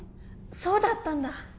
そうだったんだ